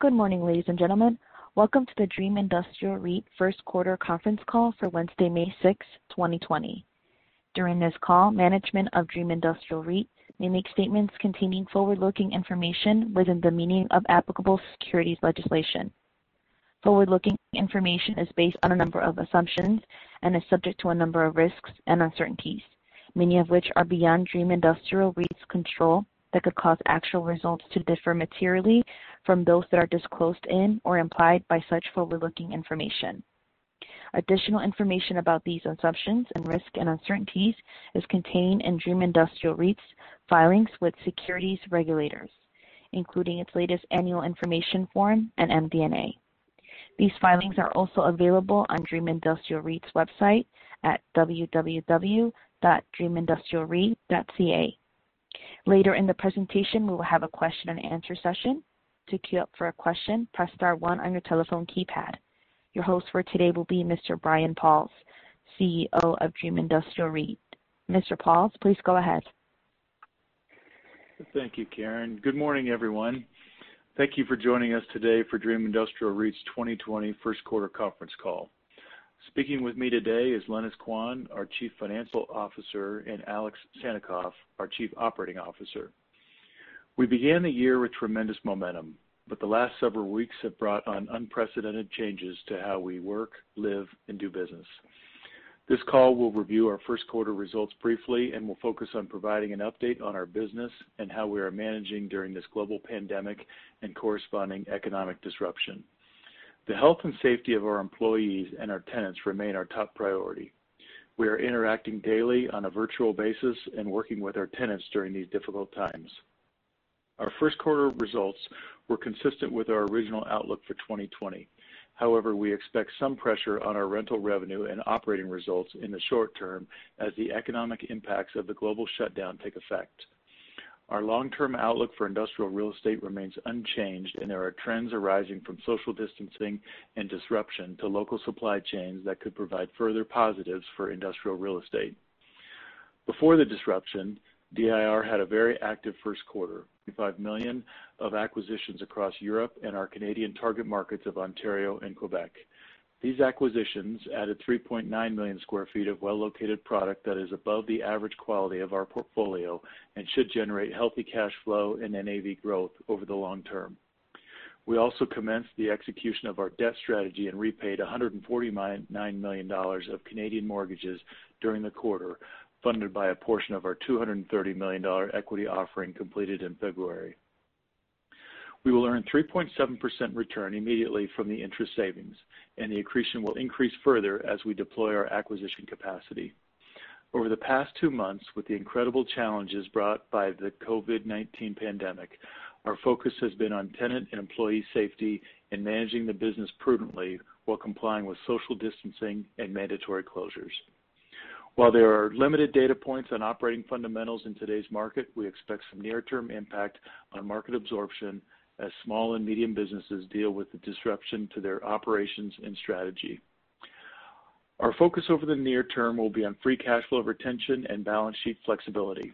Good morning, ladies and gentlemen. Welcome to the Dream Industrial REIT first quarter conference call for Wednesday, May 6, 2020. During this call, management of Dream Industrial REIT may make statements containing forward-looking information within the meaning of applicable securities legislation. Forward-looking information is based on a number of assumptions and is subject to a number of risks and uncertainties, many of which are beyond Dream Industrial REIT's control, that could cause actual results to differ materially from those that are disclosed in or implied by such forward-looking information. Additional information about these assumptions and risk and uncertainties is contained in Dream Industrial REIT's filings with securities regulators, including its latest annual information form and MD&A. These filings are also available on Dream Industrial REIT's website at www.dreamindustrialreit.ca. Later in the presentation, we will have a question-and-answer session. To queue up for a question, press star one on your telephone keypad. Your host for today will be Mr. Brian Pauls, CEO of Dream Industrial REIT. Mr. Pauls, please go ahead. Thank you, Karen. Good morning, everyone. Thank you for joining us today for Dream Industrial REIT's 2020 first quarter conference call. Speaking with me today is Lenis Quan, our Chief Financial Officer, and Alex Sannikov, our Chief Operating Officer. We began the year with tremendous momentum, the last several weeks have brought on unprecedented changes to how we work, live, and do business. This call will review our first quarter results briefly, and will focus on providing an update on our business and how we are managing during this global pandemic and corresponding economic disruption. The health and safety of our employees and our tenants remain our top priority. We are interacting daily on a virtual basis and working with our tenants during these difficult times. Our first quarter results were consistent with our original outlook for 2020. However, we expect some pressure on our rental revenue and operating results in the short term as the economic impacts of the global shutdown take effect. Our long-term outlook for industrial real estate remains unchanged, and there are trends arising from social distancing and disruption to local supply chains that could provide further positives for industrial real estate. Before the disruption, DIR had a very active first quarter with 5 million of acquisitions across Europe and our Canadian target markets of Ontario and Quebec. These acquisitions added 3.9 million square feet of well-located product that is above the average quality of our portfolio and should generate healthy cash flow and NAV growth over the long term. We also commenced the execution of our debt strategy and repaid 149 million dollars of Canadian mortgages during the quarter, funded by a portion of our 230 million dollar equity offering completed in February. We will earn 3.7% return immediately from the interest savings, and the accretion will increase further as we deploy our acquisition capacity. Over the past two months, with the incredible challenges brought by the COVID-19 pandemic, our focus has been on tenant and employee safety and managing the business prudently while complying with social distancing and mandatory closures. While there are limited data points on operating fundamentals in today's market, we expect some near-term impact on market absorption as small and medium businesses deal with the disruption to their operations and strategy. Our focus over the near term will be on free cash flow retention and balance sheet flexibility.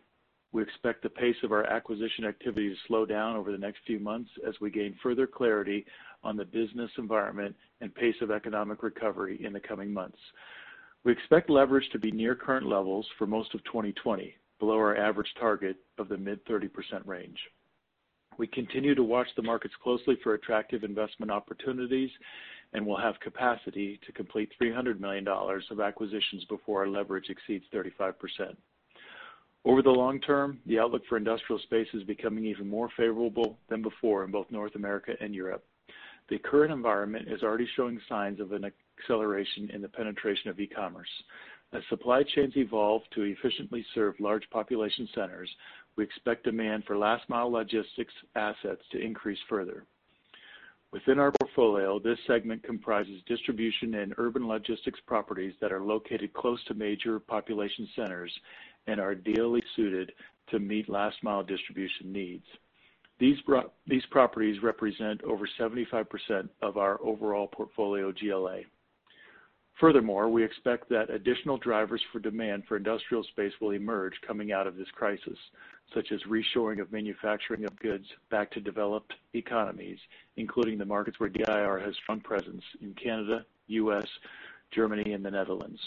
We expect the pace of our acquisition activity to slow down over the next few months as we gain further clarity on the business environment and pace of economic recovery in the coming months. We expect leverage to be near current levels for most of 2020, below our average target of the mid-30% range. We continue to watch the markets closely for attractive investment opportunities and will have capacity to complete 300 million dollars of acquisitions before our leverage exceeds 35%. Over the long term, the outlook for industrial space is becoming even more favorable than before in both North America and Europe. The current environment is already showing signs of an acceleration in the penetration of e-commerce. As supply chains evolve to efficiently serve large population centers, we expect demand for last mile logistics assets to increase further. Within our portfolio, this segment comprises distribution and urban logistics properties that are located close to major population centers and are ideally suited to meet last mile distribution needs. These properties represent over 75% of our overall portfolio GLA. Furthermore, we expect that additional drivers for demand for industrial space will emerge coming out of this crisis, such as reshoring of manufacturing of goods back to developed economies, including the markets where DIR has strong presence in Canada, U.S., Germany, and the Netherlands.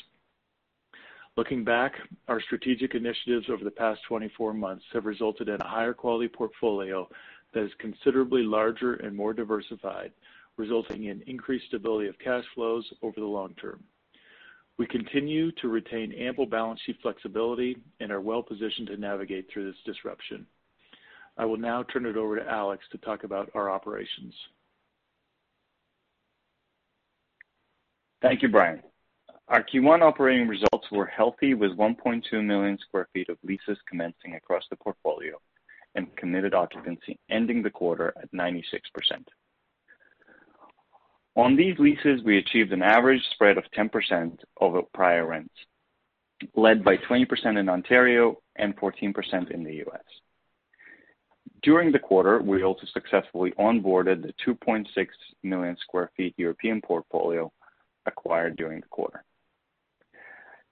Looking back, our strategic initiatives over the past 24 months have resulted in a higher quality portfolio that is considerably larger and more diversified, resulting in increased stability of cash flows over the long term. We continue to retain ample balance sheet flexibility and are well positioned to navigate through this disruption. I will now turn it over to Alex to talk about our operations. Thank you, Brian. Our Q1 operating results were healthy, with 1.2 million square feet of leases commencing across the portfolio and committed occupancy ending the quarter at 96%. On these leases, we achieved an average spread of 10% over prior rents, led by 20% in Ontario and 14% in the U.S. During the quarter, we also successfully onboarded the 2.6 million square feet European portfolio acquired during the quarter.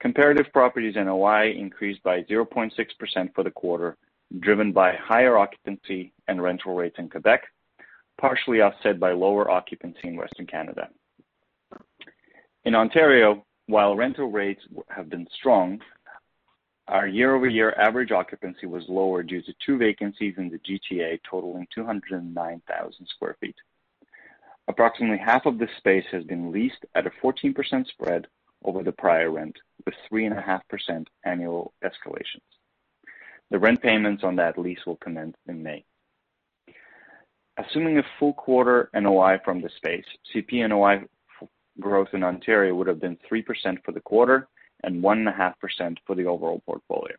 Comparative properties NOI increased by 0.6% for the quarter, driven by higher occupancy and rental rates in Quebec, partially offset by lower occupancy in Western Canada. In Ontario, while rental rates have been strong, our year-over-year average occupancy was lower due to two vacancies in the GTA totaling 209,000 sq ft. Approximately half of this space has been leased at a 14% spread over the prior rent, with 3.5% annual escalations. The rent payments on that lease will commence in May. Assuming a full quarter NOI from the space, CP NOI growth in Ontario would have been 3% for the quarter and 1.5% for the overall portfolio.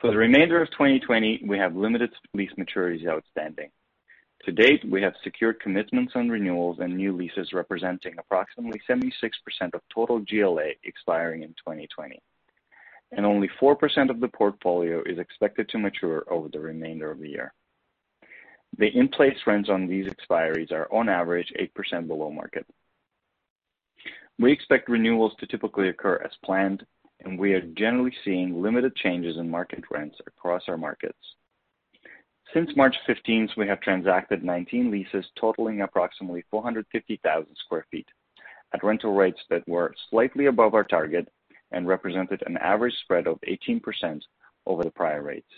For the remainder of 2020, we have limited lease maturities outstanding. To date, we have secured commitments on renewals and new leases representing approximately 76% of total GLA expiring in 2020. Only 4% of the portfolio is expected to mature over the remainder of the year. The in-place rents on these expiries are on average 8% below market. We expect renewals to typically occur as planned, and we are generally seeing limited changes in market rents across our markets. Since March 15th, we have transacted 19 leases totaling approximately 450,000 sq ft at rental rates that were slightly above our target and represented an average spread of 18% over the prior rates.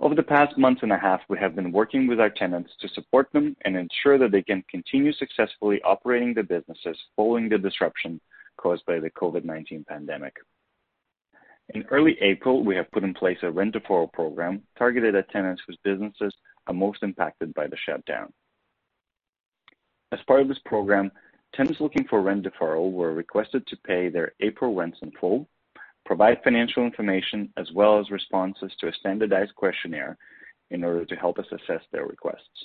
Over the past month and a half, we have been working with our tenants to support them and ensure that they can continue successfully operating their businesses following the disruption caused by the COVID-19 pandemic. In early April, we have put in place a rent deferral program targeted at tenants whose businesses are most impacted by the shutdown. As part of this program, tenants looking for rent deferral were requested to pay their April rents in full, provide financial information as well as responses to a standardized questionnaire in order to help us assess their requests.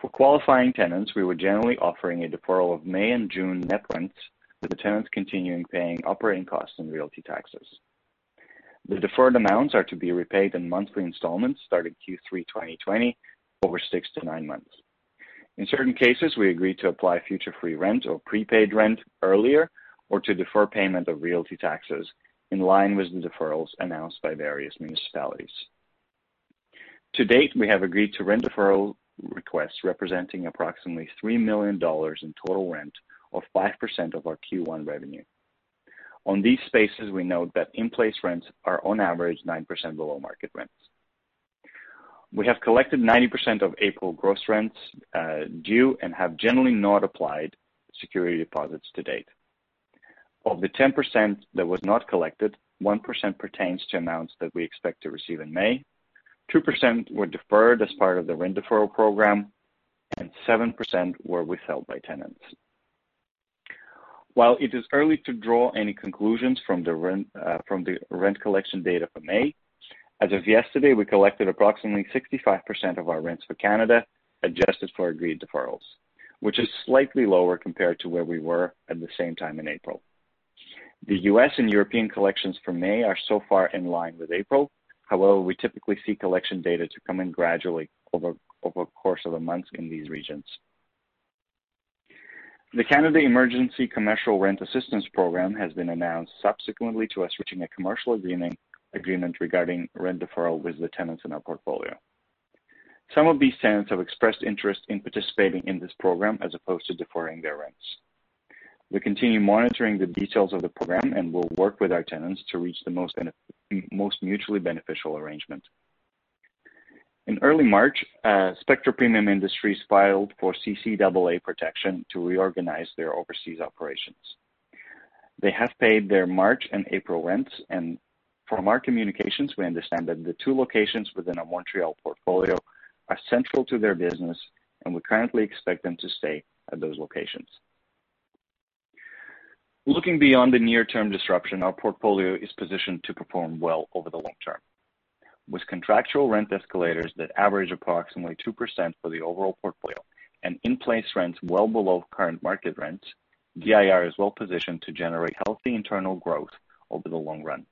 For qualifying tenants, we were generally offering a deferral of May and June net rents, with the tenants continuing paying operating costs and realty taxes. The deferred amounts are to be repaid in monthly installments starting Q3 2020 over six to nine months. In certain cases, we agreed to apply future free rent or prepaid rent earlier, or to defer payment of realty taxes in line with the deferrals announced by various municipalities. To date, we have agreed to rent deferral requests representing approximately 3 million dollars in total rent or 5% of our Q1 revenue. On these spaces, we note that in-place rents are on average 9% below market rents. We have collected 90% of April gross rents due and have generally not applied security deposits to date. Of the 10% that was not collected, 1% pertains to amounts that we expect to receive in May, 2% were deferred as part of the rent deferral program, and 7% were withheld by tenants. While it is early to draw any conclusions from the rent collection data for May, as of yesterday, we collected approximately 65% of our rents for Canada, adjusted for agreed deferrals, which is slightly lower compared to where we were at the same time in April. The U.S. and European collections for May are so far in line with April, however, we typically see collection data to come in gradually over the course of the months in these regions. The Canada Emergency Commercial Rent Assistance Program has been announced subsequently to us reaching a commercial agreement regarding rent deferral with the tenants in our portfolio. Some of these tenants have expressed interest in participating in this program as opposed to deferring their rents. We continue monitoring the details of the program and will work with our tenants to reach the most mutually beneficial arrangement. In early March, Spectra Premium Industries filed for CCAA protection to reorganize their overseas operations. They have paid their March and April rents, and from our communications, we understand that the two locations within our Montreal portfolio are central to their business, and we currently expect them to stay at those locations. Looking beyond the near-term disruption, our portfolio is positioned to perform well over the long term. With contractual rent escalators that average approximately 2% for the overall portfolio and in-place rents well below current market rents, DIR is well positioned to generate healthy internal growth over the long run.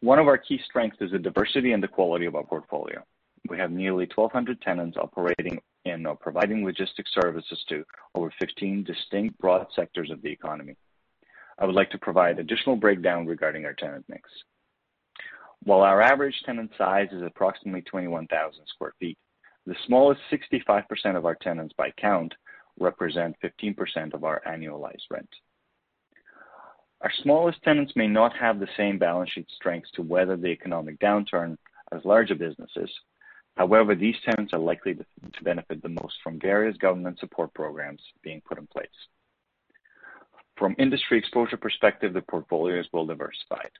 One of our key strengths is the diversity and the quality of our portfolio. We have nearly 1,200 tenants operating and are providing logistic services to over 15 distinct broad sectors of the economy. I would like to provide additional breakdown regarding our tenant mix. While our average tenant size is approximately 21,000 sq ft, the smallest 65% of our tenants by count represent 15% of our annualized rent. Our smallest tenants may not have the same balance sheet strengths to weather the economic downturn as larger businesses. However, these tenants are likely to benefit the most from various government support programs being put in place. From industry exposure perspective, the portfolio is well diversified.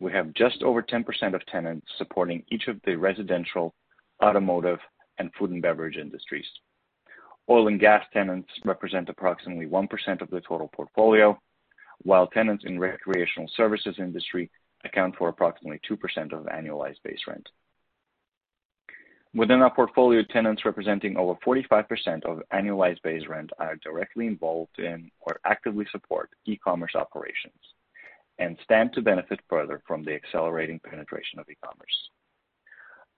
We have just over 10% of tenants supporting each of the residential, automotive, and food and beverage industries. Oil and gas tenants represent approximately 1% of the total portfolio, while tenants in recreational services industry account for approximately 2% of annualized base rent. Within our portfolio, tenants representing over 45% of annualized base rent are directly involved in or actively support e-commerce operations and stand to benefit further from the accelerating penetration of e-commerce.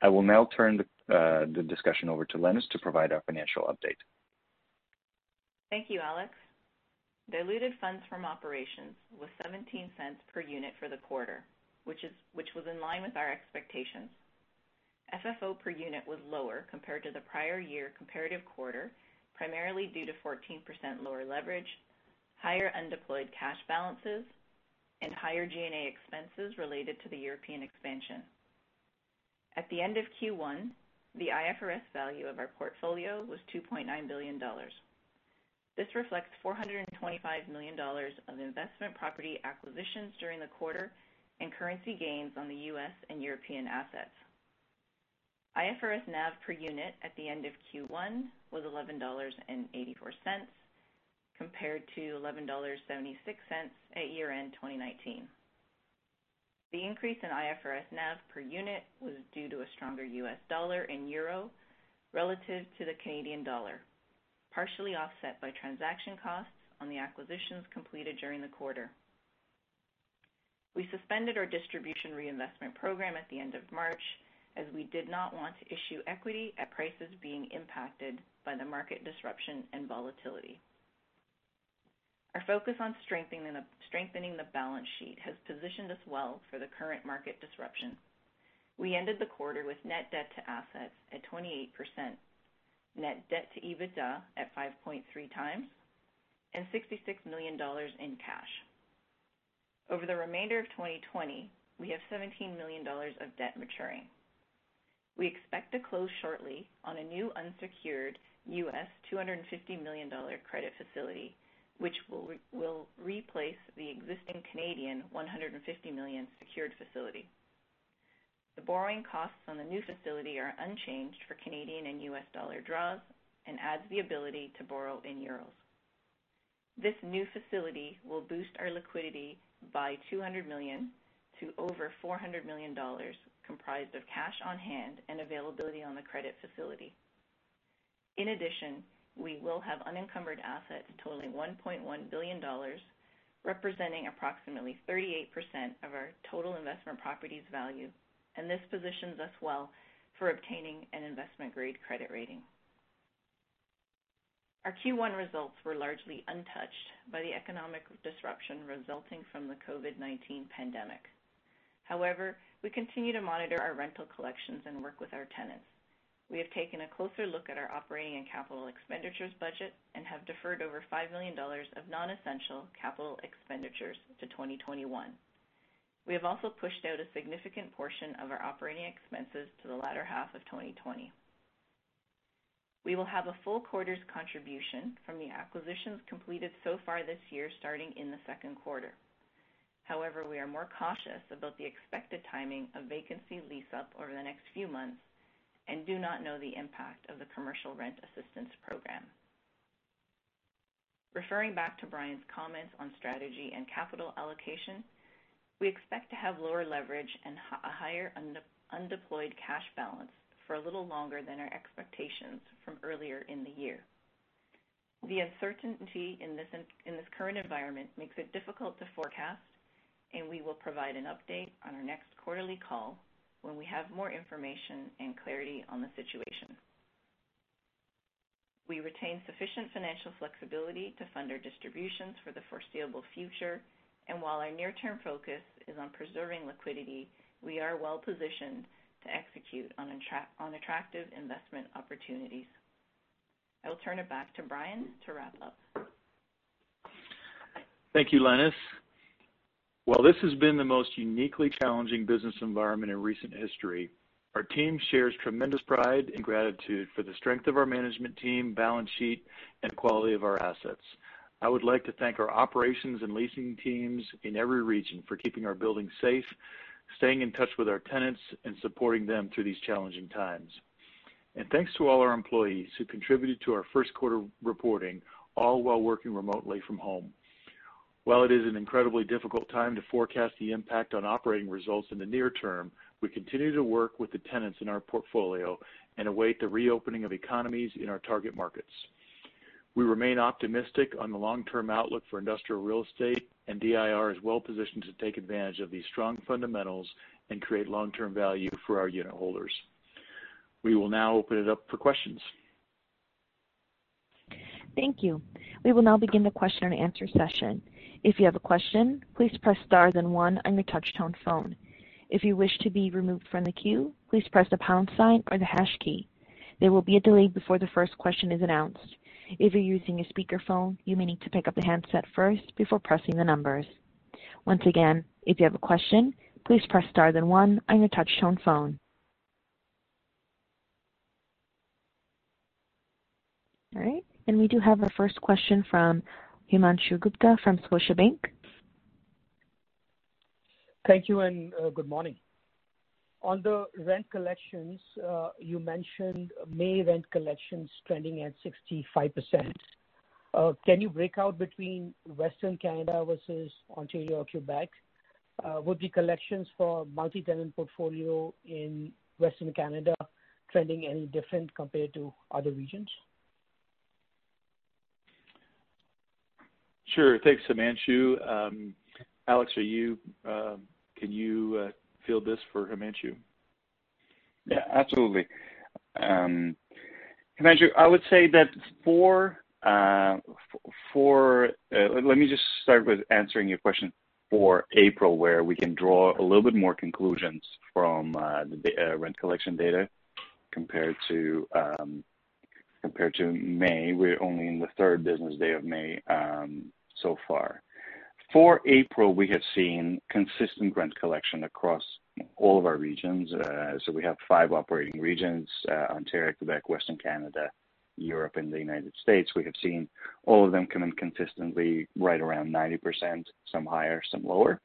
I will now turn the discussion over to Lenis to provide our financial update. Thank you, Alex. Diluted funds from operations was 0.17 per unit for the quarter, which was in line with our expectations. FFO per unit was lower compared to the prior year comparative quarter, primarily due to 14% lower leverage, higher undeployed cash balances, and higher G&A expenses related to the European expansion. At the end of Q1, the IFRS value of our portfolio was 2.9 billion dollars. This reflects 425 million dollars of investment property acquisitions during the quarter and currency gains on the U.S. and European assets. IFRS NAV per unit at the end of Q1 was 11.84 dollars, compared to 11.76 dollars at year-end 2019. The increase in IFRS NAV per unit was due to a stronger U.S. dollar and euro relative to the Canadian dollar, partially offset by transaction costs on the acquisitions completed during the quarter. We suspended our distribution reinvestment program at the end of March, as we did not want to issue equity at prices being impacted by the market disruption and volatility. Our focus on strengthening the balance sheet has positioned us well for the current market disruption. We ended the quarter with net debt-to-assets at 28%, net debt-to-EBITDA at 5.3x, and 66 million dollars in cash. Over the remainder of 2020, we have 17 million dollars of debt maturing. We expect to close shortly on a new unsecured $250 million credit facility, which will replace the existing 150 million Canadian dollars secured facility. The borrowing costs on the new facility are unchanged for Canadian and US dollar draws and adds the ability to borrow in euros. This new facility will boost our liquidity by 200 million to over 400 million dollars, comprised of cash on hand and availability on the credit facility. In addition, we will have unencumbered assets totaling 1.1 billion dollars, representing approximately 38% of our total investment properties value, and this positions us well for obtaining an investment-grade credit rating. Our Q1 results were largely untouched by the economic disruption resulting from the COVID-19 pandemic. However, we continue to monitor our rental collections and work with our tenants. We have taken a closer look at our operating and capital expenditures budget and have deferred over 5 million dollars of non-essential capital expenditures to 2021. We have also pushed out a significant portion of our operating expenses to the latter half of 2020. We will have a full quarter's contribution from the acquisitions completed so far this year, starting in the second quarter. However, we are more cautious about the expected timing of vacancy lease-up over the next few months and do not know the impact of the Commercial Rent Assistance Program. Referring back to Brian's comments on strategy and capital allocation, we expect to have lower leverage and a higher undeployed cash balance for a little longer than our expectations from earlier in the year. The uncertainty in this current environment makes it difficult to forecast, and we will provide an update on our next quarterly call when we have more information and clarity on the situation. We retain sufficient financial flexibility to fund our distributions for the foreseeable future, and while our near-term focus is on preserving liquidity, we are well positioned to execute on attractive investment opportunities. I will turn it back to Brian to wrap up. Thank you, Lenis. While this has been the most uniquely challenging business environment in recent history, our team shares tremendous pride and gratitude for the strength of our management team, balance sheet, and quality of our assets. I would like to thank our operations and leasing teams in every region for keeping our buildings safe, staying in touch with our tenants, and supporting them through these challenging times. Thanks to all our employees who contributed to our first quarter reporting, all while working remotely from home. While it is an incredibly difficult time to forecast the impact on operating results in the near term, we continue to work with the tenants in our portfolio and await the reopening of economies in our target markets. We remain optimistic on the long-term outlook for industrial real estate, and DIR is well positioned to take advantage of these strong fundamentals and create long-term value for our unit holders. We will now open it up for questions. Thank you. We will now begin the question-and-answer session. If you have a question, please press star then one on your touch-tone phone. If you wish to be removed from the queue, please press the pound sign or the hash key. There will be a delay before the first question is announced. If you're using a speakerphone, you may need to pick up the handset first before pressing the numbers. Once again, if you have a question, please press star then one on your touch-tone phone. All right, we do have our first question from Himanshu Gupta from Scotiabank. Thank you. Good morning. On the rent collections, you mentioned May rent collections trending at 65%. Can you break out between Western Canada versus Ontario or Quebec? Would the collections for multi-tenant portfolio in Western Canada trending any different compared to other regions? Sure. Thanks, Himanshu. Alex, can you field this for Himanshu? Absolutely. Himanshu, let me just start with answering your question for April, where we can draw a little bit more conclusions from the rent collection data compared to May. We're only in the third business day of May so far. For April, we have seen consistent rent collection across all of our regions. We have five operating regions: Ontario, Quebec, Western Canada, Europe, and the United States. We have seen all of them come in consistently right around 90%, some higher, some lower.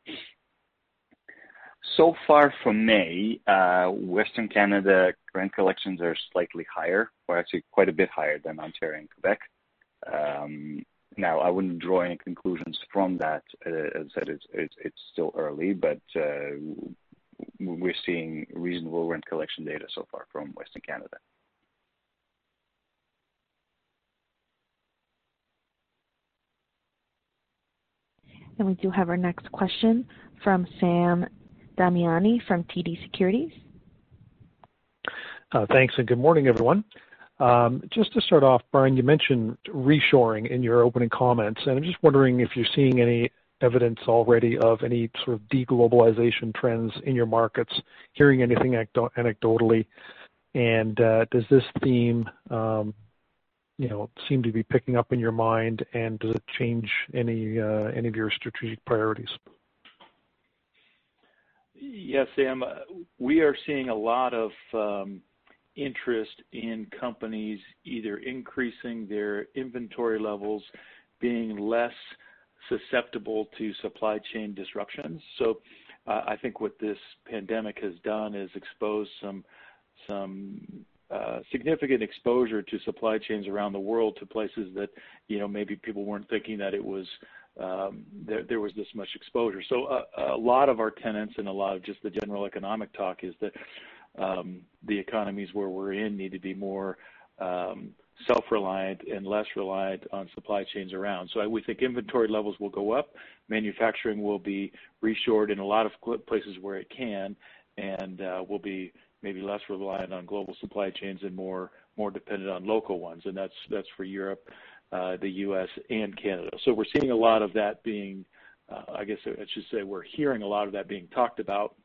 So far for May, Western Canada rent collections are slightly higher or actually quite a bit higher than Ontario and Quebec. I wouldn't draw any conclusions from that, as I said, it's still early. We're seeing reasonable rent collection data so far from Western Canada. We do have our next question from Sam Damiani from TD Securities. Thanks. Good morning, everyone. Just to start off, Brian, you mentioned reshoring in your opening comments, and I'm just wondering if you're seeing any evidence already of any sort of de-globalization trends in your markets, hearing anything anecdotally. Does this theme seem to be picking up in your mind, and does it change any of your strategic priorities? Sam, we are seeing a lot of interest in companies either increasing their inventory levels, being less susceptible to supply chain disruptions. I think what this pandemic has done is exposed some significant exposure to supply chains around the world to places that maybe people weren't thinking that there was this much exposure. A lot of our tenants and a lot of just the general economic talk is that the economies where we're in need to be more self-reliant and less reliant on supply chains around. We think inventory levels will go up. Manufacturing will be reshored in a lot of places where it can and will be maybe less reliant on global supply chains and more dependent on local ones, and that's for Europe, the U.S., and Canada. We're seeing a lot of that being, I guess I should say, we're hearing a lot of that being talked about.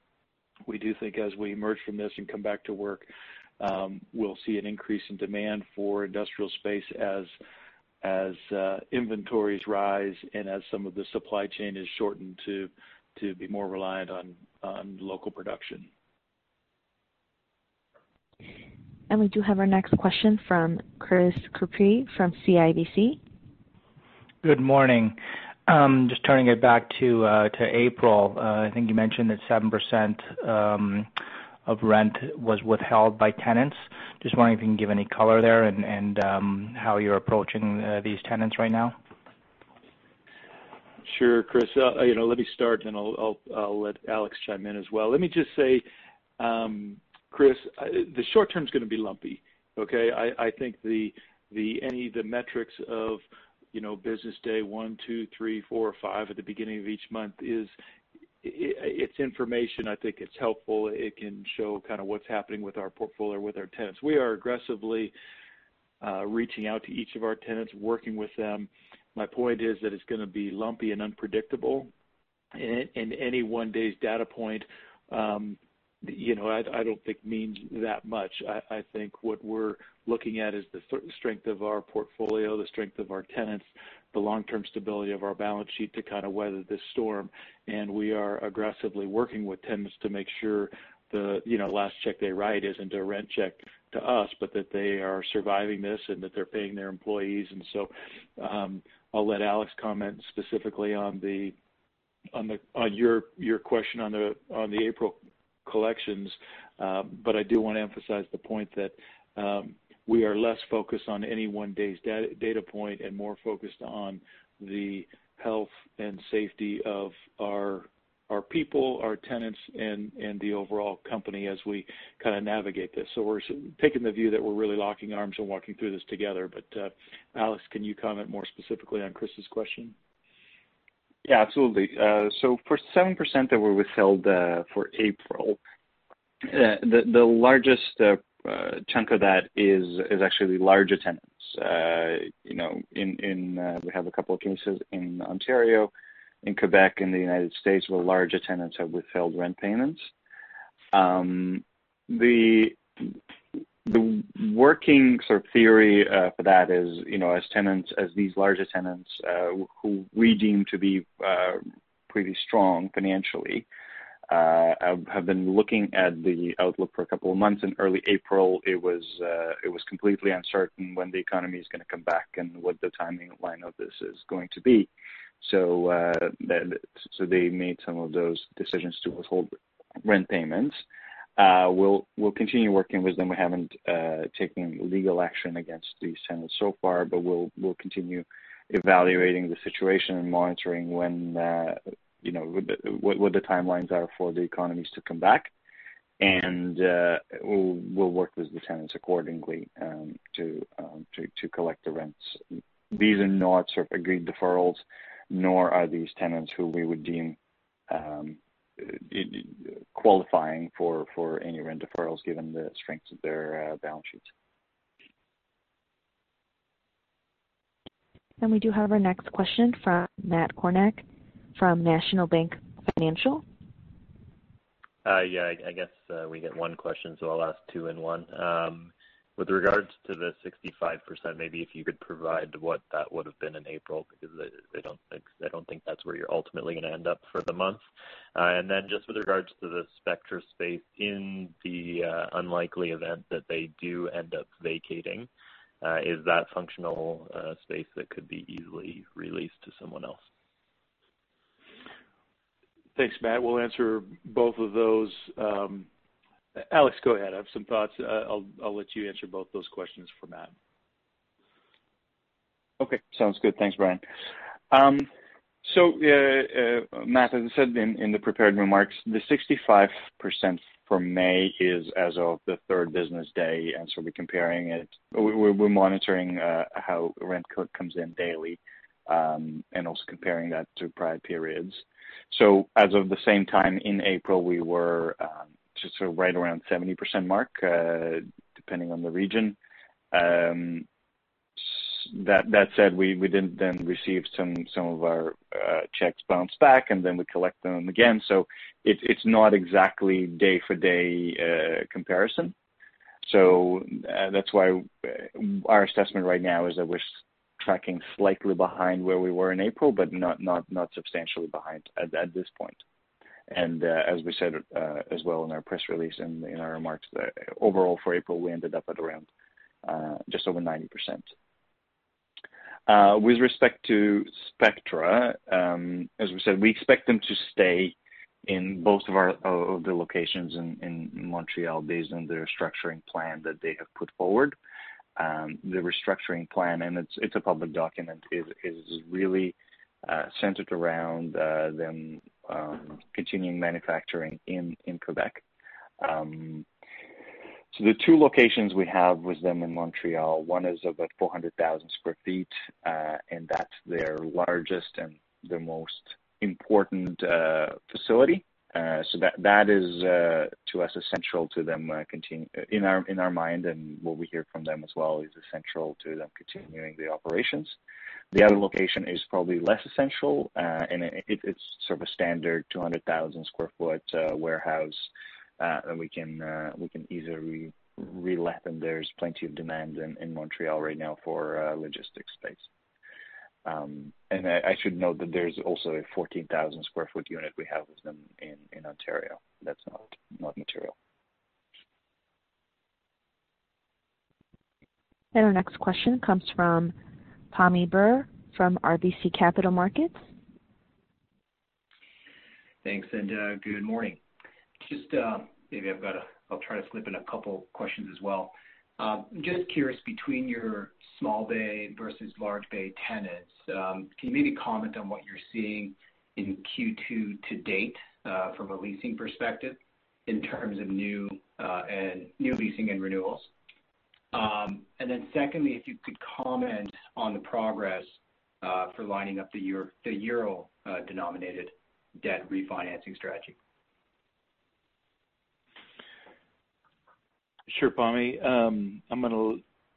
We do think as we emerge from this and come back to work, we'll see an increase in demand for industrial space as inventories rise and as some of the supply chain is shortened to be more reliant on local production. We do have our next question from Chris Couprie from CIBC. Good morning. Just turning it back to April. I think you mentioned that 7% of rent was withheld by tenants. Just wondering if you can give any color there and how you're approaching these tenants right now. Sure, Chris. Let me start, and I'll let Alex chime in as well. Let me just say, Chris, the short term is going to be lumpy. I think any of the metrics of business day one, two, three, four, or five at the beginning of each month is, it's information. I think it's helpful. It can show kind of what's happening with our portfolio, with our tenants. We are aggressively reaching out to each of our tenants, working with them. My point is that it's going to be lumpy and unpredictable. Any one day's data point I don't think means that much. I think what we're looking at is the strength of our portfolio, the strength of our tenants, the long-term stability of our balance sheet to kind of weather this storm. We are aggressively working with tenants to make sure the last check they write isn't a rent check to us, but that they are surviving this and that they're paying their employees. I'll let Alex comment specifically on your question on the April collections. I do want to emphasize the point that we are less focused on any one day's data point and more focused on the health and safety of our people, our tenants, and the overall company as we kind of navigate this. We're taking the view that we're really locking arms and walking through this together. Alex, can you comment more specifically on Chris's question? Absolutely. For 7% that were withheld for April, the largest chunk of that is actually the larger tenants. We have a couple of cases in Ontario, in Quebec, in the United States, where larger tenants have withheld rent payments. The working sort of theory for that is as these larger tenants who we deem to be pretty strong financially have been looking at the outlook for a couple of months. In early April, it was completely uncertain when the economy is going to come back and what the timeline of this is going to be. They made some of those decisions to withhold rent payments. We'll continue working with them. We haven't taken legal action against these tenants so far, but we'll continue evaluating the situation and monitoring what the timelines are for the economies to come back. We'll work with the tenants accordingly to collect the rents. These are not sort of agreed deferrals, nor are these tenants who we would deem qualifying for any rent deferrals given the strength of their balance sheets. We do have our next question from Matt Kornack from National Bank Financial. I guess we get one question, so I'll ask two in one. With regards to the 65%, maybe if you could provide what that would've been in April, because I don't think that's where you're ultimately going to end up for the month. Just with regards to the Spectra space, in the unlikely event that they do end up vacating, is that functional space that could be easily released to someone else? Thanks, Matt. We'll answer both of those. Alex, go ahead. I have some thoughts. I'll let you answer both those questions for Matt. Sounds good. Thanks, Brian. Matt, as I said in the prepared remarks, the 65% for May is as of the third business day, and so we're monitoring how rent comes in daily, and also comparing that to prior periods. As of the same time in April, we were just sort of right around 70% mark, depending on the region. That said, we did then receive some of our checks bounced back, and then we collect them again. It's not exactly day for day comparison. That's why our assessment right now is that we're tracking slightly behind where we were in April, but not substantially behind at this point. As we said as well in our press release and in our remarks, that overall for April, we ended up at around just over 90%. With respect to Spectra, as we said, we expect them to stay in both of the locations in Montreal based on their structuring plan that they have put forward. The restructuring plan, and it's a public document, is really centered around them continuing manufacturing in Quebec. The two locations we have with them in Montreal, one is of a 400,000 sq ft, and that's their largest and their most important facility. That is to us, essential to them, in our mind and what we hear from them as well, is essential to them continuing the operations. The other location is probably less essential, and it's sort of a standard 200,000 sq ft warehouse, that we can easily re-let them. There's plenty of demand in Montreal right now for logistics space. I should note that there's also a 14,000 sq ft unit we have with them in Ontario. That's not material. Our next question comes from Pammi Bir from RBC Capital Markets. Thanks. Good morning. Maybe I'll try to slip in a couple questions as well. Just curious, between your small bay versus large bay tenants, can you maybe comment on what you're seeing in Q2 to date from a leasing perspective in terms of new leasing and renewals? Secondly, if you could comment on the progress for lining up the euro-denominated debt refinancing strategy. Sure, Pammi.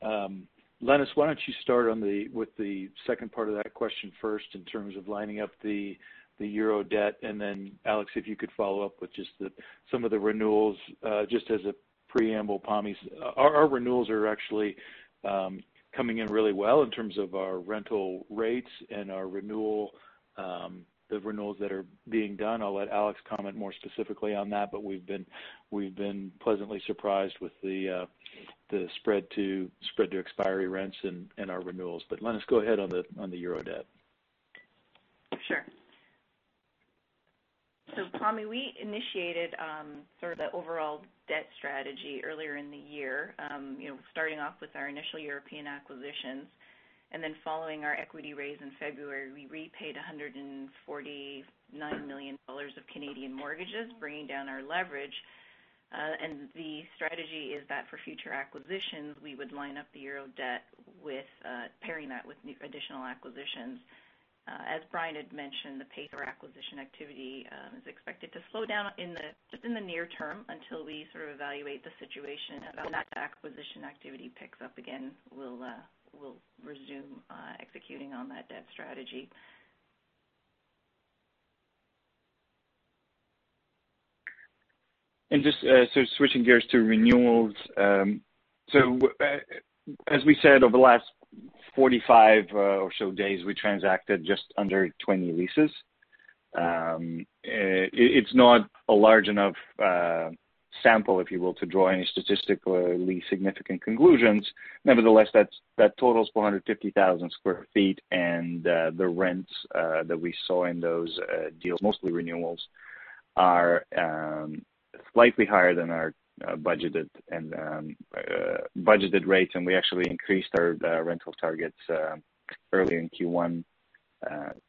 Lenis, why don't you start with the second part of that question first in terms of lining up the euro debt, and then Alex, if you could follow up with just some of the renewals. Just as a preamble, Pammi, our renewals are actually coming in really well in terms of our rental rates and the renewals that are being done. I'll let Alex comment more specifically on that, but we've been pleasantly surprised with the spread to expiry rents and our renewals. Lenis, go ahead on the euro debt. Sure. Pammi, we initiated sort of the overall debt strategy earlier in the year. Starting off with our initial European acquisitions, then following our equity raise in February, we repaid 149 million dollars of Canadian mortgages, bringing down our leverage. The strategy is that for future acquisitions, we would line up the euro debt with pairing that with new additional acquisitions. As Brian had mentioned, the pace of our acquisition activity is expected to slow down just in the near term until we sort of evaluate the situation. When that acquisition activity picks up again, we'll resume executing on that debt strategy. Just sort of switching gears to renewals. As we said, over the last 45 or so days, we transacted just under 20 leases. It's not a large enough sample, if you will, to draw any statistically significant conclusions. Nevertheless, that total is 450,000 sq ft, and the rents that we saw in those deals, mostly renewals, are slightly higher than our budgeted rates, and we actually increased our rental targets early in Q1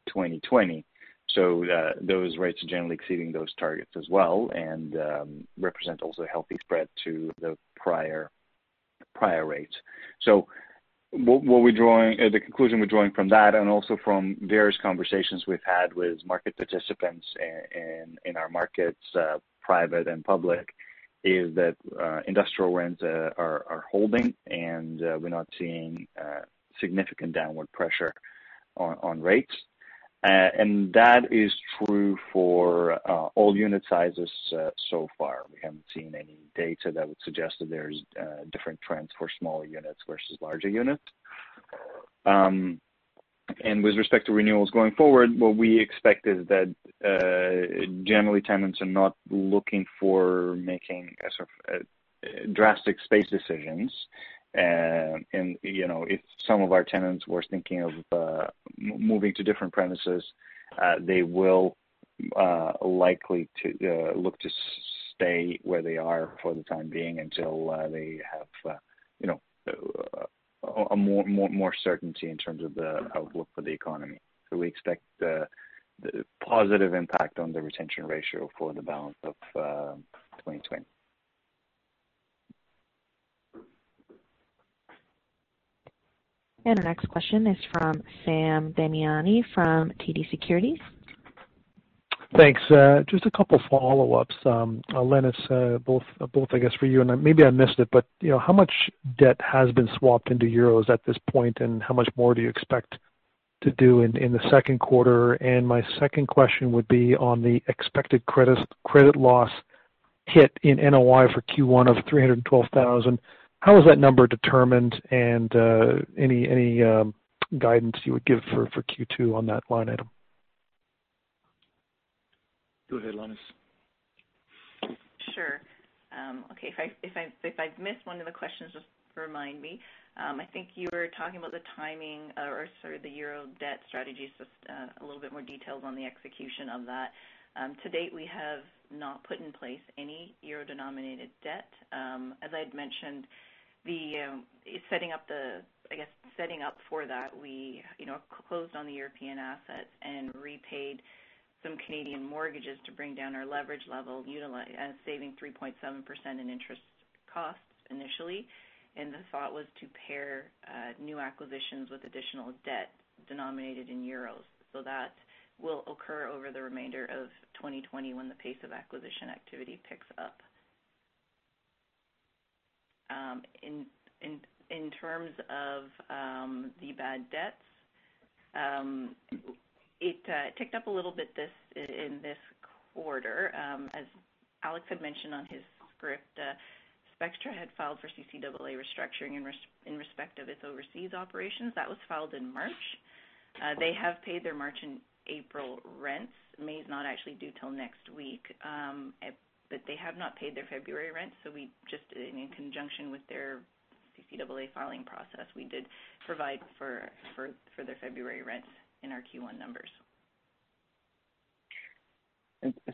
2020. Those rates are generally exceeding those targets as well, and represent also a healthy spread to the prior rates. The conclusion we're drawing from that, and also from various conversations we've had with market participants in our markets, private and public, is that industrial rents are holding, and we're not seeing significant downward pressure on rates. That is true for all unit sizes so far. We haven't seen any data that would suggest that there's different trends for smaller units versus larger units. With respect to renewals going forward, what we expect is that generally, tenants are not looking for making drastic space decisions. If some of our tenants were thinking of moving to different premises, they will likely look to stay where they are for the time being until they have more certainty in terms of the outlook for the economy. We expect a positive impact on the retention ratio for the balance of 2020. Our next question is from Sam Damiani from TD Securities. Thanks. Just a couple follow-ups. Lenis, both I guess for you, and maybe I missed it, but how much debt has been swapped into euros at this point, and how much more do you expect to do in the second quarter? My second question would be on the expected credit loss hit in NOI for Q1 of 312,000. How was that number determined, and any guidance you would give for Q2 on that line item? Go ahead, Lenis. Sure. If I've missed one of the questions, just remind me. I think you were talking about the timing, or sorry, the euro debt strategy, a little bit more details on the execution of that. To date, we have not put in place any euro-denominated debt. As I'd mentioned, I guess setting up for that, we closed on the European assets and repaid some Canadian mortgages to bring down our leverage level, saving 3.7% in interest costs initially. The thought was to pair new acquisitions with additional debt denominated in euros. That will occur over the remainder of 2020 when the pace of acquisition activity picks up. In terms of the bad debts, it ticked up a little bit in this quarter. As Alex had mentioned on his script, Spectra had filed for CCAA restructuring in respect of its overseas operations. That was filed in March. They have paid their March and April rents. May is not actually due till next week. They have not paid their February rents, so in conjunction with their CCAA filing process, we did provide for their February rents in our Q1 numbers.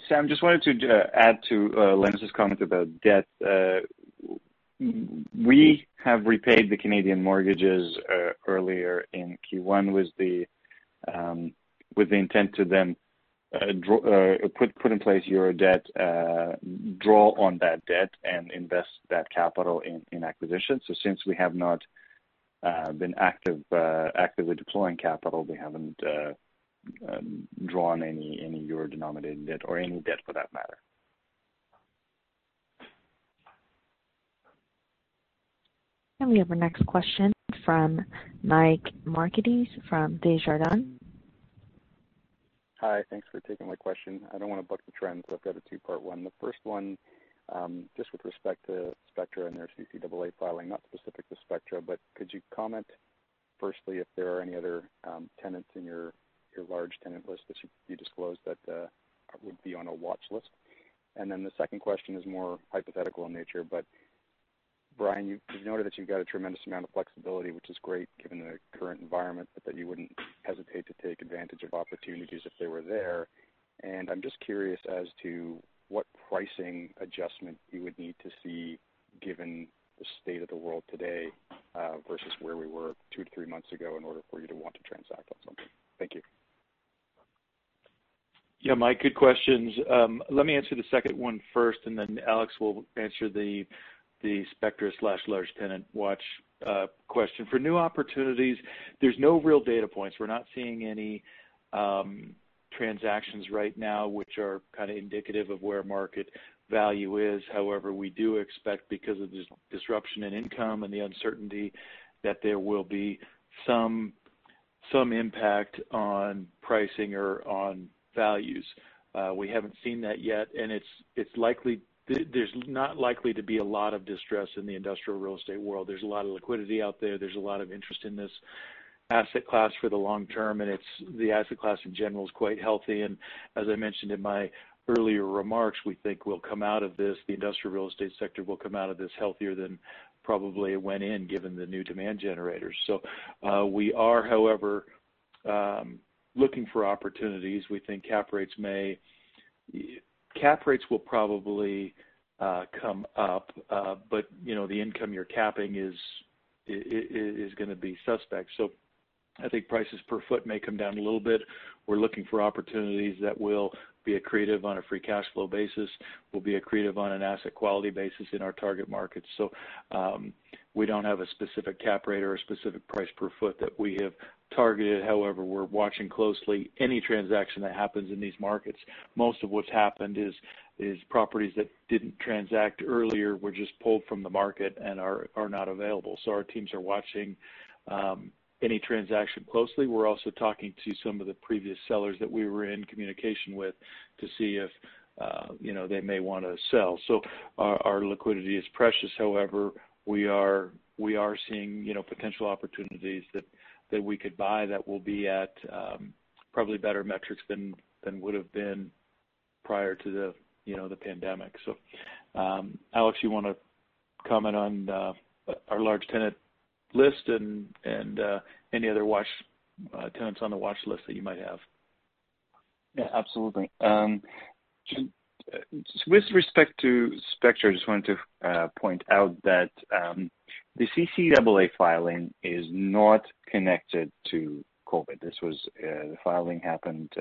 Sam, just wanted to add to Lenis's comment about debt. We have repaid the Canadian mortgages earlier in Q1 with the intent to then put in place euro debt, draw on that debt, and invest that capital in acquisitions. Since we have not been actively deploying capital, we haven't drawn any euro-denominated debt or any debt for that matter. We have our next question from Mike Markidis from Desjardins. Hi. Thanks for taking my question. I don't want to buck the trend, so I've got a two-part one. The first one, just with respect to Spectra and their CCAA filing, not specific to Spectra, but could you comment firstly if there are any other tenants in your large tenant list that you disclose that would be on a watch list? Then the second question is more hypothetical in nature, but Brian, you've noted that you've got a tremendous amount of flexibility, which is great given the current environment, but that you wouldn't hesitate to take advantage of opportunities if they were there. I'm just curious as to what pricing adjustment you would need to see given the state of the world today, versus where we were two to three months ago in order for you to want to transact on something. Thank you. Mike, good questions. Let me answer the second one first, then Alex will answer the Spectra/large tenant watch question. For new opportunities, there's no real data points. We're not seeing any transactions right now which are kind of indicative of where market value is. However, we do expect because of the disruption in income and the uncertainty, that there will be some impact on pricing or on values. We haven't seen that yet, there's not likely to be a lot of distress in the industrial real estate world. There's a lot of liquidity out there. There's a lot of interest in this asset class for the long term, the asset class in general is quite healthy. As I mentioned in my earlier remarks, we think we'll come out of this, the industrial real estate sector will come out of this healthier than probably it went in, given the new demand generators. We are, however, looking for opportunities. We think cap rates will probably come up, but the income you're capping is going to be suspect. I think prices per foot may come down a little bit. We're looking for opportunities that will be accretive on a free cash flow basis, will be accretive on an asset quality basis in our target markets. We don't have a specific cap rate or a specific price per foot that we have targeted. However, we're watching closely any transaction that happens in these markets. Most of what's happened is properties that didn't transact earlier were just pulled from the market and are not available. Our teams are watching any transaction closely. We're also talking to some of the previous sellers that we were in communication with to see if they may want to sell. Our liquidity is precious. However, we are seeing potential opportunities that we could buy that will be at probably better metrics than would've been prior to the pandemic. Alex, you want to comment on our large tenant list and any other tenants on the watch list that you might have? Absolutely. With respect to Spectra, I just wanted to point out that the CCAA filing is not connected to COVID. The filing happened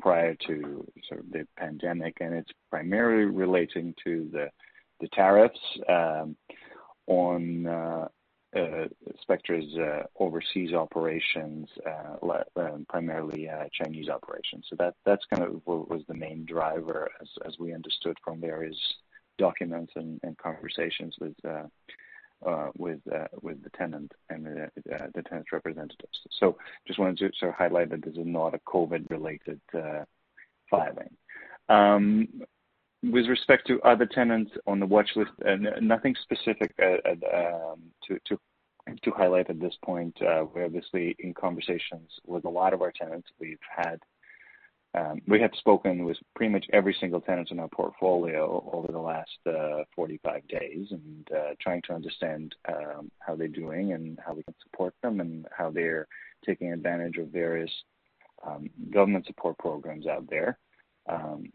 prior to sort of the pandemic, and it's primarily relating to the tariffs on Spectra's overseas operations, primarily Chinese operations. That's kind of what was the main driver as we understood from various documents and conversations with the tenant and the tenant's representatives. Just wanted to sort of highlight that this is not a COVID-related filing. With respect to other tenants on the watch list, nothing specific to highlight at this point. We're obviously in conversations with a lot of our tenants. We have spoken with pretty much every single tenant in our portfolio over the last 45 days, and trying to understand how they're doing and how we can support them and how they're taking advantage of various government support programs out there.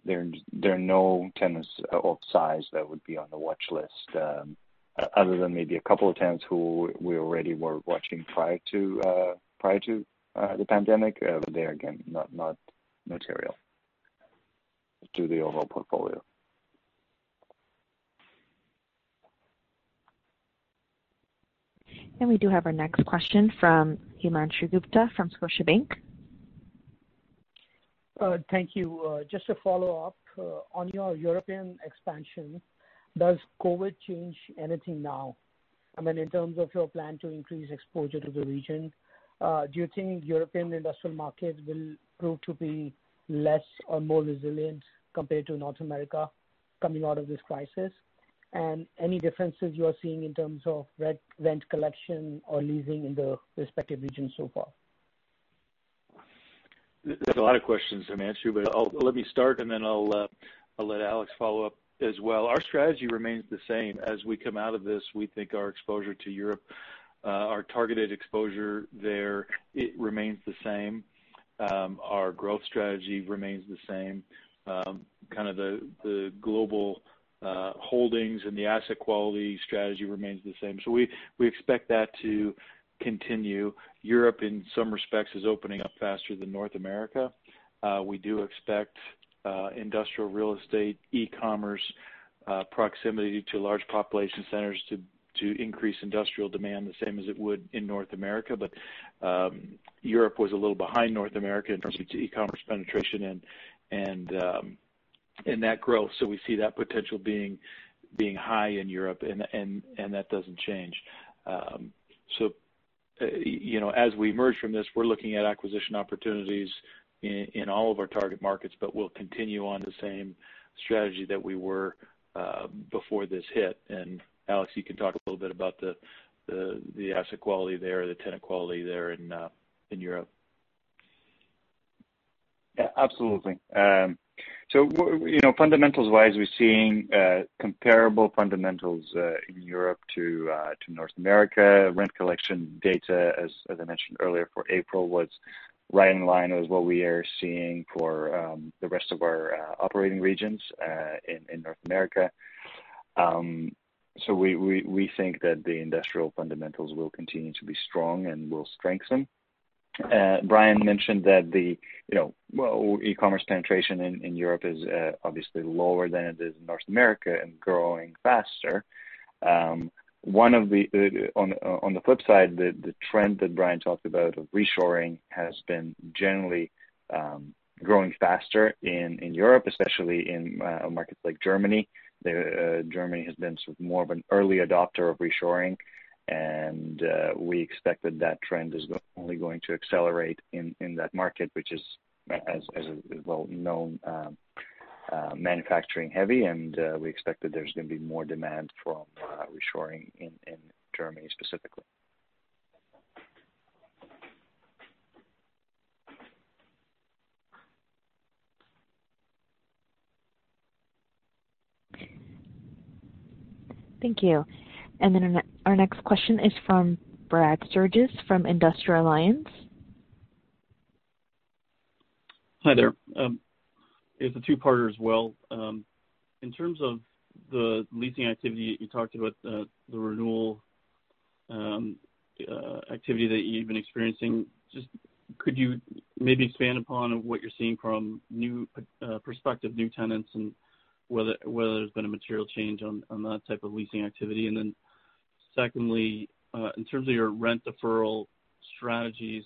There are no tenants of size that would be on the watch list other than maybe a couple of tenants who we already were watching prior to the pandemic. They are, again, not material to the overall portfolio. We do have our next question from Himanshu Gupta from Scotiabank. Thank you. Just a follow-up. On your European expansion, does COVID change anything now? I mean, in terms of your plan to increase exposure to the region. Do you think European industrial markets will prove to be less or more resilient compared to North America coming out of this crisis? Any differences you are seeing in terms of rent collection or leasing in the respective regions so far? That's a lot of questions, Himanshu, but let me start and then I'll let Alex follow up as well. Our strategy remains the same. As we come out of this, we think our exposure to Europe, our targeted exposure there, it remains the same. Our growth strategy remains the same. Kind of the global holdings and the asset quality strategy remains the same. We expect that to continue. Europe, in some respects, is opening up faster than North America. We do expect industrial real estate, e-commerce, proximity to large population centers to increase industrial demand the same as it would in North America. Europe was a little behind North America in terms of e-commerce penetration and that growth, so we see that potential being high in Europe, and that doesn't change. As we emerge from this, we're looking at acquisition opportunities in all of our target markets, but we'll continue on the same strategy that we were before this hit. Alex, you can talk a little bit about the asset quality there, the tenant quality there in Europe. Absolutely. Fundamentals wise, we're seeing comparable fundamentals in Europe to North America. Rent collection data, as I mentioned earlier, for April was right in line with what we are seeing for the rest of our operating regions in North America. We think that the industrial fundamentals will continue to be strong and will strengthen. Brian mentioned that the e-commerce penetration in Europe is obviously lower than it is in North America and growing faster. On the flip side, the trend that Brian talked about of reshoring has been generally growing faster in Europe, especially in markets like Germany. Germany has been sort of more of an early adopter of reshoring. We expect that trend is only going to accelerate in that market, which is, as well known, manufacturing heavy, and we expect that there's going to be more demand from reshoring in Germany specifically. Thank you. Our next question is from Brad Sturges from Industrial Alliance. Hi there. It's a two-parter as well. In terms of the leasing activity that you talked about, the renewal activity that you've been experiencing, just could you maybe expand upon what you're seeing from prospective new tenants and whether there's been a material change on that type of leasing activity? Secondly, in terms of your rent deferral strategies,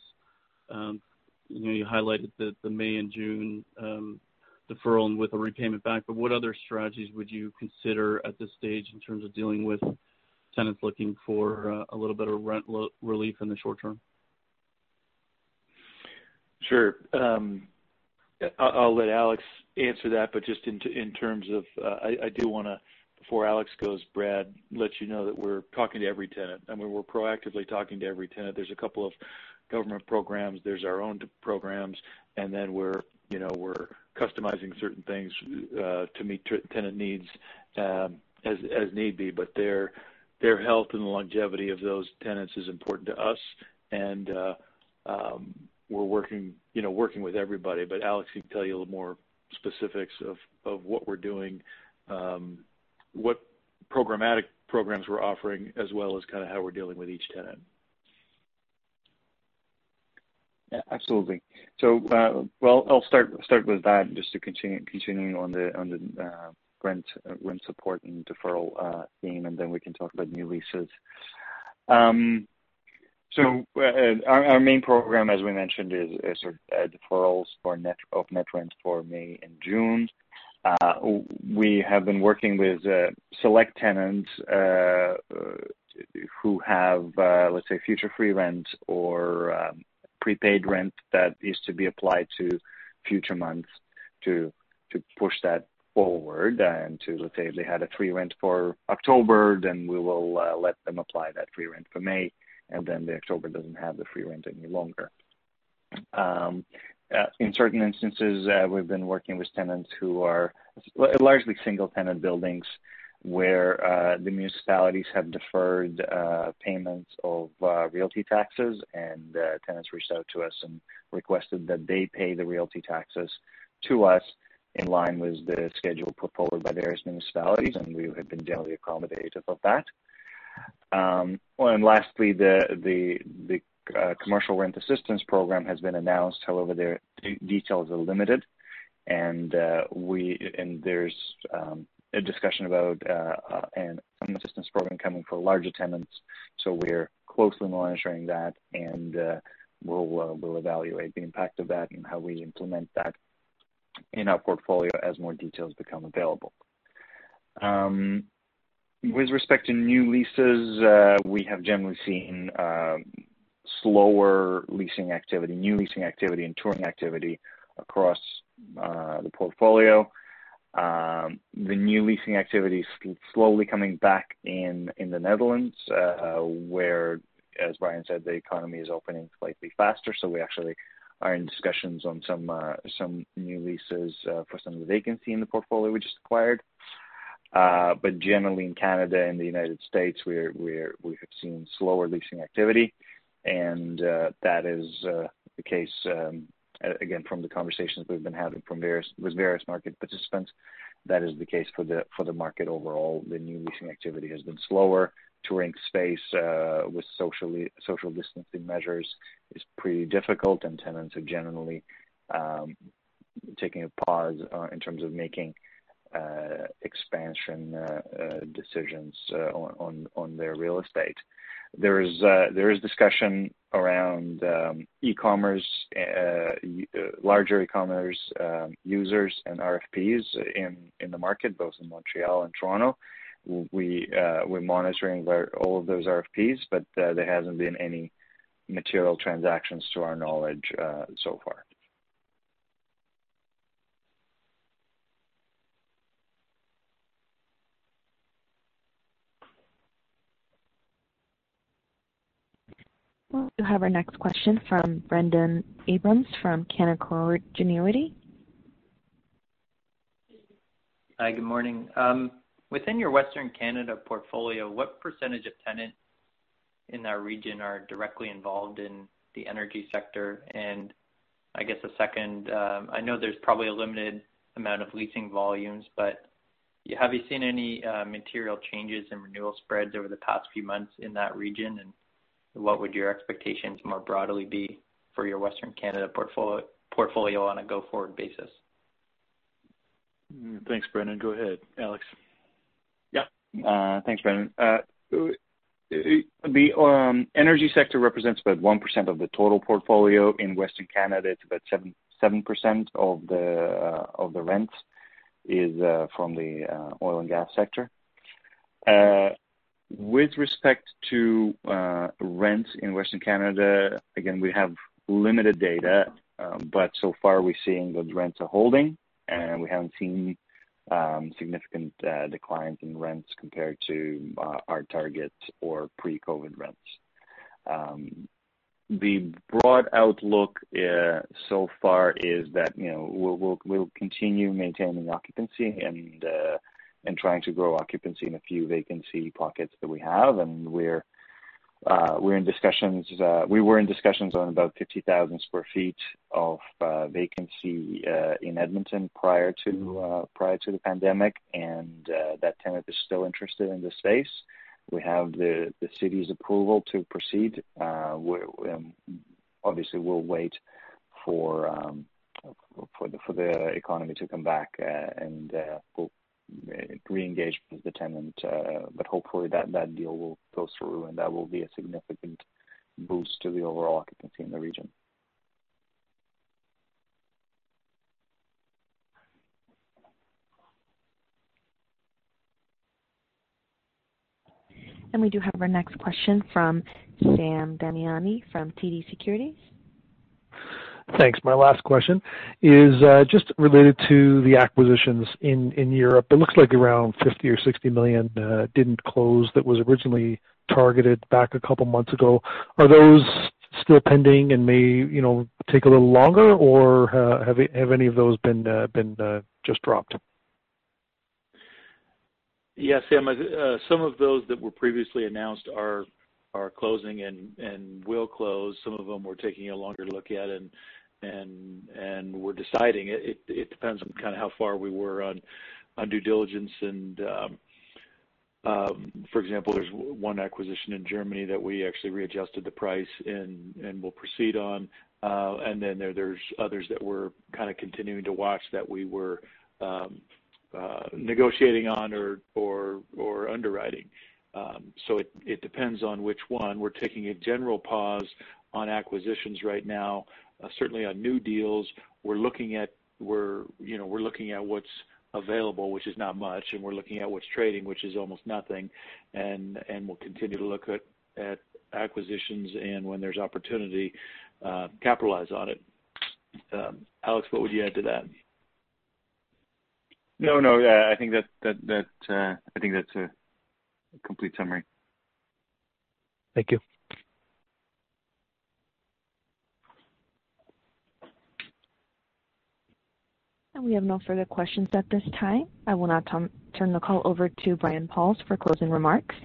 you highlighted the May and June deferral with a repayment back, but what other strategies would you consider at this stage in terms of dealing with tenants looking for a little bit of rent relief in the short term? Sure. I'll let Alex answer that, but I do want to, before Alex goes, Brad, let you know that we're talking to every tenant. I mean, we're proactively talking to every tenant. There's a couple of government programs, there's our own programs, and then we're customizing certain things to meet tenant needs as need be. Their health and the longevity of those tenants is important to us, and we're working with everybody. Alex can tell you a little more specifics of what we're doing, what programmatic programs we're offering, as well as kind of how we're dealing with each tenant. Absolutely. Well, I'll start with that just to continuing on the rent support and deferral theme, and then we can talk about new leases. Our main program, as we mentioned, is sort of deferrals of net rent for May and June. We have been working with select tenants who have, let's say, future free rent or prepaid rent that is to be applied to future months to push that forward and to, let's say, if they had a free rent for October, then we will let them apply that free rent for May, and then the October doesn't have the free rent any longer. In certain instances, we've been working with tenants who are largely single-tenant buildings where the municipalities have deferred payments of realty taxes, and tenants reached out to us and requested that they pay the realty taxes to us in line with the schedule proposed by various municipalities, and we have been generally accommodative of that. Lastly, the Commercial Rent Assistance Program has been announced. However, their details are limited. There's a discussion about an assistance program coming for larger tenants. We're closely monitoring that, and we'll evaluate the impact of that and how we implement that in our portfolio as more details become available. With respect to new leases, we have generally seen slower leasing activity, new leasing activity, and touring activity across the portfolio. The new leasing activity is slowly coming back in the Netherlands, where, as Brian said, the economy is opening slightly faster. We actually are in discussions on some new leases for some of the vacancy in the portfolio we just acquired. Generally, in Canada and the United States, we have seen slower leasing activity, and that is the case again, from the conversations we've been having with various market participants. That is the case for the market overall. The new leasing activity has been slower. Touring space with social distancing measures is pretty difficult, and tenants are generally taking a pause in terms of making expansion decisions on their real estate. There is discussion around larger e-commerce users and RFPs in the market, both in Montreal and Toronto. We're monitoring all of those RFPs, but there hasn't been any material transactions to our knowledge so far. We have our next question from Brendon Abrams from Canaccord Genuity. Hi, good morning. Within your Western Canada portfolio, what percentage of tenants in that region are directly involved in the energy sector? I guess a second, I know there's probably a limited amount of leasing volumes, but have you seen any material changes in renewal spreads over the past few months in that region? What would your expectations more broadly be for your Western Canada portfolio on a go-forward basis? Thanks, Brendon. Go ahead, Alex. Thanks, Brendon. The energy sector represents about 1% of the total portfolio in Western Canada. About 7% of the rent is from the oil and gas sector. With respect to rent in Western Canada, again, we have limited data, but so far we're seeing those rents are holding, and we haven't seen significant declines in rents compared to our targets or pre-COVID rents. The broad outlook so far is that we'll continue maintaining occupancy and trying to grow occupancy in a few vacancy pockets that we have. We were in discussions on about 50,000 sq ft of vacancy in Edmonton prior to the pandemic, and that tenant is still interested in the space. We have the city's approval to proceed. Obviously, we'll wait for the economy to come back, and we'll re-engage with the tenant. Hopefully, that deal will go through, and that will be a significant boost to the overall occupancy in the region. We do have our next question from Sam Damiani from TD Securities. Thanks. My last question is just related to the acquisitions in Europe. It looks like around 50 million or 60 million didn't close that was originally targeted back a couple of months ago. Are those still pending and may take a little longer, or have any of those been just dropped? Sam, some of those that were previously announced are closing and will close. Some of them we're taking a longer look at and we're deciding. It depends on how far we were on due diligence and, for example, there's one acquisition in Germany that we actually readjusted the price and will proceed on. Then there's others that we're continuing to watch that we were negotiating on or underwriting. It depends on which one. We're taking a general pause on acquisitions right now, certainly on new deals. We're looking at what's available, which is not much, and we're looking at what's trading, which is almost nothing, and we'll continue to look at acquisitions and when there's opportunity, capitalize on it. Alex, what would you add to that? No, I think that's a complete summary. Thank you. We have no further questions at this time. I will now turn the call over to Brian Pauls for closing remarks.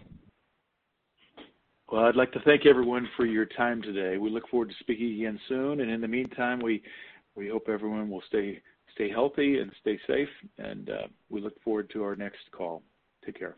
Well, I'd like to thank everyone for your time today. We look forward to speaking again soon. In the meantime, we hope everyone will stay healthy and stay safe, and we look forward to our next call. Take care.